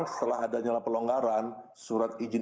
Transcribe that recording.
sekarang setelah adanya pelonggaran mereka harus menggunakan surat izin